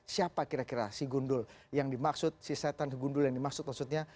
siapa kira kira si gundul yang dimaksud si setan gundul yang dimaksud maksudnya